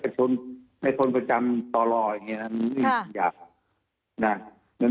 เป็นในคนประจำต่อรออย่างนี้น่ะมันไม่มีตำแหน่ง